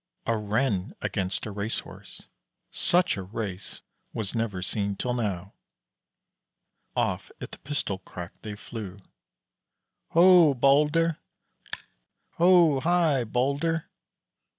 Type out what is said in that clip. A Ren against a Race horse such a race was never seen till now. Off at the pistol crack they flew. "Ho, Balder! (cluck!) Ho, hi, Balder!"